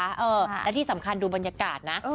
แล้วที่สำคัญดูบรรยากาศนะ